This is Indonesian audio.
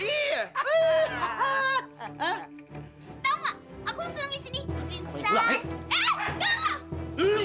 eh eh jangan